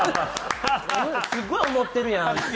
すごい思ってるやんって。